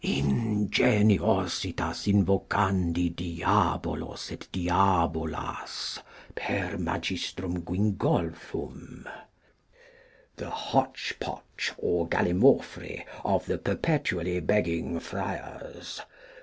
Ingeniositas invocandi diabolos et diabolas, per M. Guingolphum. The Hotchpotch or Gallimaufry of the perpetually begging Friars.